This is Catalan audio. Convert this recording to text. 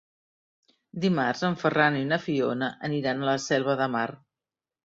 Dimarts en Ferran i na Fiona aniran a la Selva de Mar.